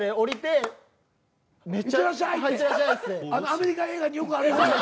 アメリカ映画によくあるような。